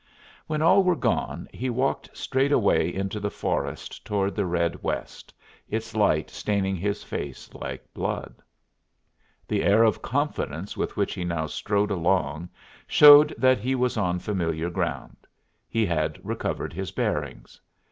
When all were gone he walked straight away into the forest toward the red west, its light staining his face like blood. The air of confidence with which he now strode along showed that he was on familiar ground; he had recovered his bearings.